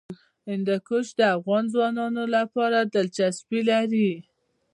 هندوکش د افغان ځوانانو لپاره دلچسپي لري.